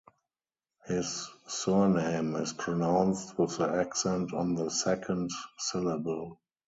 His surname is pronounced with the accent on the second syllable.